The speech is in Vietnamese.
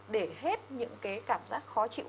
để hết những cái cảm giác khó chịu